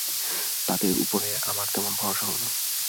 তাদের ওপরে আমার তেমন ভরসা হল না।